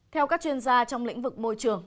theo các chuyên gia trong lĩnh vực môi trường